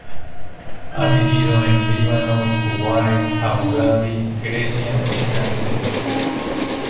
Ha vivido en Líbano, Kuwait, Abu Dhabi, Grecia y Francia.